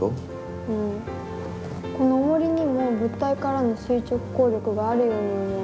このおもりにも物体からの垂直抗力があるように思うんだけど。